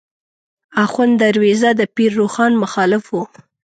آخوند دروېزه د پیر روښان مخالف و.